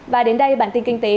và đến đây bản tin kinh tế